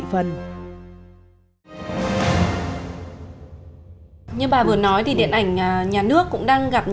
điện ảnh nhà nước cũng đang gặp